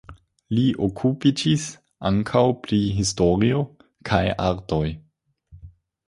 Li okupiĝis ankaŭ pri historio kaj artoj.